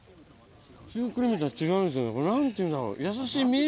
シュークリームとは違うんですよね何ていうんだろう。